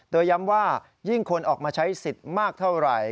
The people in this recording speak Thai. โดยย้ำว่ายิ่งคนออกมาใช้สิทธิ์มากเท่าไหร่